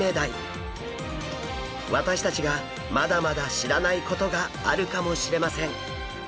私たちがまだまだ知らないことがあるかもしれません。